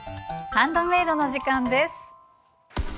ハンドメイドの時間です！